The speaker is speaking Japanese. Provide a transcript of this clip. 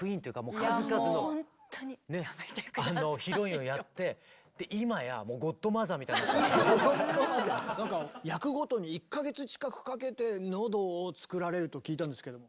数々のねヒロインをやって今や役ごとに１か月近くかけて喉を作られると聞いたんですけども。